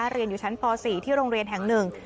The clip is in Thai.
เรียนอยู่ชั้นป๔ที่โรงเรียนแห่งหนึ่ง